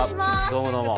どうもどうも。